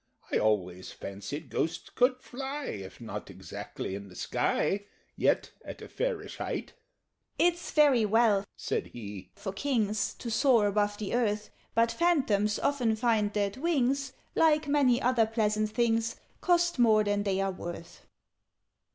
I always fancied Ghosts could fly If not exactly in the sky, Yet at a fairish height." "It's very well," said he, "for Kings To soar above the earth: But Phantoms often find that wings Like many other pleasant things Cost more than they are worth.